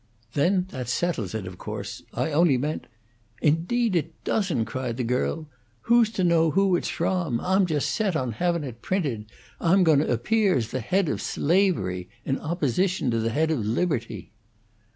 "Then that settles it, of course, I only meant " "Indeed it doesn't!" cried the girl. "Who's to know who it's from? Ah'm jost set on havin' it printed! Ah'm going to appear as the head of Slavery in opposition to the head of Liberty."